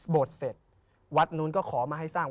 เสร็จวัดนู้นก็ขอมาให้สร้าง